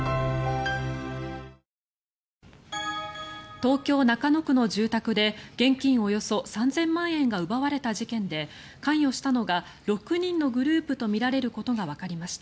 東京・中野区の住宅で現金およそ３０００万円が奪われた事件で関与したのが６人のグループとみられることがわかりました。